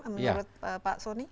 menurut pak soni